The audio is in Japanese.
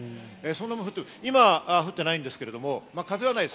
今降ってないんですけど、風はないです。